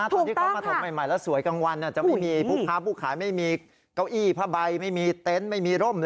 ถูกต้องค่ะตอนที่เขามาถมใหม่ใหม่แล้วสวยกลางวันอ่ะจะไม่มีผู้พ้าผู้ขายไม่มีเก้าอี้ผ้าใบไม่มีเต็นต์ไม่มีร่มเลย